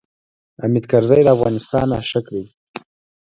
حامد کرزی د افغانستان عاشق دی.